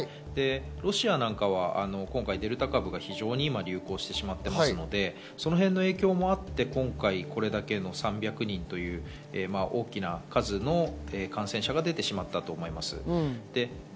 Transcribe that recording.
ロシアはデルタ株が今流行してしまっていますので、そのへんの影響もあって、今回３００人という大きな数の感染者が出てしまったと思います。